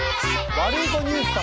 ワルイコニュース様。